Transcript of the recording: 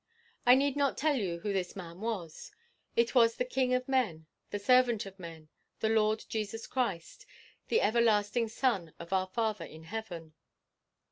I need not tell you who this man was it was the king of men, the servant of men, the Lord Jesus Christ, the everlasting son of our Father in heaven.